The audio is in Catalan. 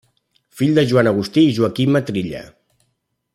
Fill de Joan Agustí i Joaquima Trilla.